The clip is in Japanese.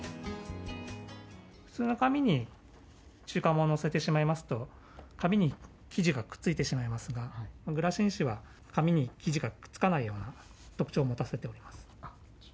普通の紙に中華まんを載せてしまいますと、紙に生地がくっついてしまいますが、グラシン紙は、紙に生地がくっつかないような特徴をもたせています。